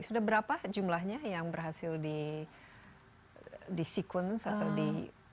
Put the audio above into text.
sudah berapa jumlahnya yang berhasil di sequence atau di